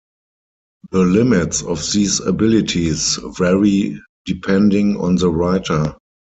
The limits of these abilities vary depending on the writer.